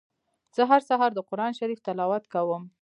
زه هر سهار د قرآن شريف تلاوت کوم.